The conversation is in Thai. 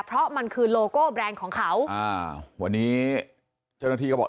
เพราะมันคือโลโก้แบรนด์ของเขาอ่าวันนี้เจ้าหน้าที่ก็บอก